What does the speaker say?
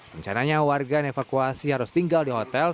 rencananya warga yang evakuasi harus tinggal di hotel